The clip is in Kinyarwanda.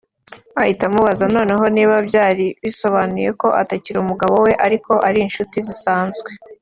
ahita amubaza noneho niba byaba bisobanuye ko atakiri umugabo we ariko ari inshuti zisanzwe